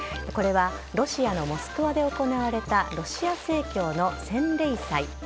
これはロシアのモスクワで行われたロシア正教の洗礼祭。